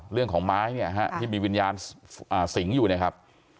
เรื่องของไม้เนี่ยฮะที่มีวิญญาณสิงอยู่เนี่ยครับ